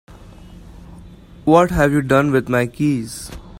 What have you done with my keys?